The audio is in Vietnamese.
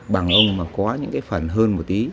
bằng ông mà có những cái phần hơn một tí